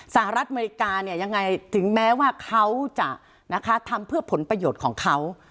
สหรัฐอเมริกาเนี่ยยังไงถึงแม้ว่าเขาจะทำเพื่อผลประโยชน์ของเขา